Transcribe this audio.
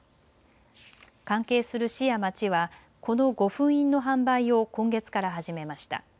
関係する市や町は、この御墳印の販売を今月から始めました。